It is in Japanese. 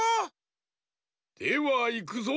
ではいくぞ。